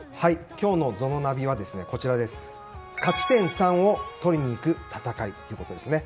今日のＺＯＮＯナビは勝ち点３を取りに行く戦いということですね。